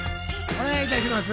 お願いいたします。